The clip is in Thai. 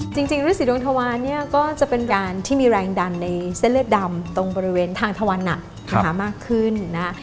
จริงฤษีดวงธวานเนี่ยก็จะเป็นการที่มีแรงดันในเส้นเลือดดำตรงบริเวณทางทะวันหนักนะคะมากขึ้นนะ